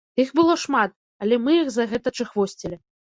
Іх было шмат, але мы іх за гэта чыхвосцілі.